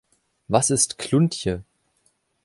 Was ist Kluntje?